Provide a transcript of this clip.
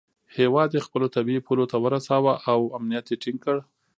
هیواد یې خپلو طبیعي پولو ته ورساوه او امنیت یې ټینګ کړ.